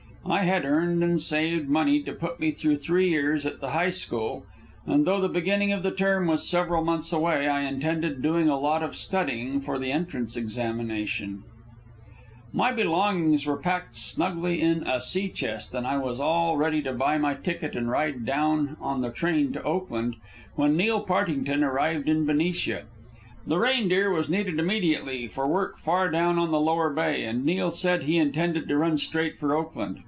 I had earned and saved money to put me through three years at the high school, and though the beginning of the term was several months away, I intended doing a lot of studying for the entrance examinations. My belongings were packed snugly in a sea chest, and I was all ready to buy my ticket and ride down on the train to Oakland, when Neil Partington arrived in Benicia. The Reindeer was needed immediately for work far down on the Lower Bay, and Neil said he intended to run straight for Oakland.